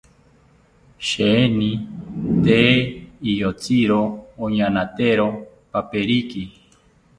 Sheeni tee iyotziro oñaanatero paperiki